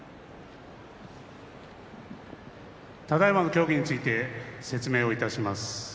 ただいまの協議について説明をいたします。